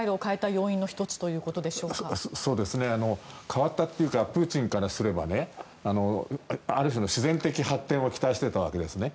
変わったというかプーチンからすればある種の自然的発展を期待していたわけですね。